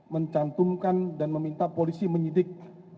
mencantumkan dan meminta polisi menyidik